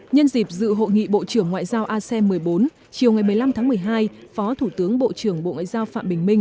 nhân dịp dự hội nghị bộ trưởng ngoại giao asem một mươi bốn chiều ngày một mươi năm tháng một mươi hai phó thủ tướng bộ trưởng bộ ngoại giao phạm bình minh